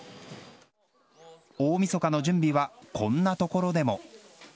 大みそかの準備はこんなところでも。